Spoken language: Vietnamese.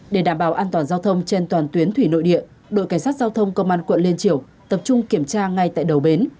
trong toàn giao thông trên toàn tuyến thủy nội địa đội cảnh sát giao thông công an quận liên triều tập trung kiểm tra ngay tại đầu bến